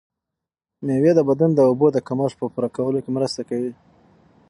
مېوې د بدن د اوبو د کمښت په پوره کولو کې مرسته کوي.